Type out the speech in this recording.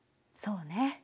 そうね。